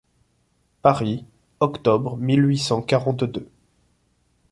Paris, octobre mille huit cent quarante-deux.